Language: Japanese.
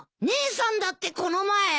姉さんだってこの前。